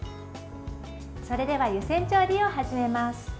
それでは湯煎調理を始めます。